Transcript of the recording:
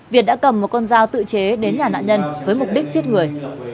việt đã cầm một con dao tự chế đến nhà nạn nhân với mục đích giết người